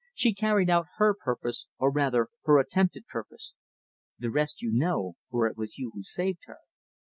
She carried out her purpose or rather her attempted purpose. The rest you know, for it was you who saved her!"